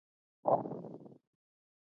د پوزې د پاکوالي لپاره کوم څاڅکي وکاروم؟